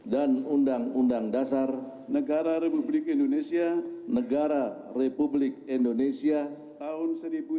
dan undang undang dasar negara republik indonesia tahun seribu sembilan ratus empat puluh lima